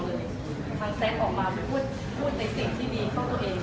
มันแซกออกมาเพื่อพูดในสิ่งที่ดีข้างตัวเอง